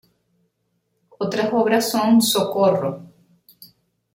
Otras obras son "Socorro!